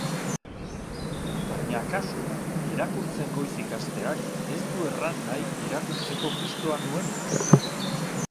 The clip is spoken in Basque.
Baina kasu, irakurtzen goiz ikasteak ez du erran nahi irakurtzeko gustua nuenik.